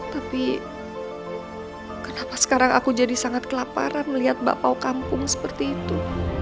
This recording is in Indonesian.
tapi kenapa sekarang aku jadi sangat kelaparan melihat bakpao kampung seperti itu